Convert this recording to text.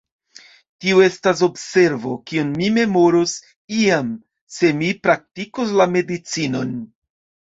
Tio estas observo, kiun mi memoros iam, se mi praktikos la medicinon.